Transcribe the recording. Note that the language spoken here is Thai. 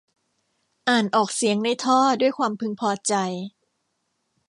อ่านออกเสียงในท่อด้วยความพึงพอใจ